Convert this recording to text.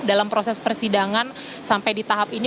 dalam proses persidangan sampai di tahap ini